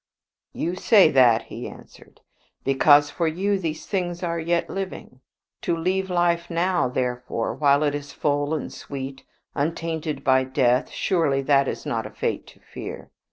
"You say that," he answered, "because for you these things are yet living. To leave life now, therefore, while it is full and sweet, untainted by death, surely that is not a fate to fear.